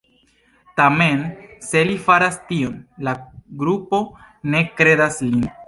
Tamen, se li faras tion, la grupo ne kredas lin.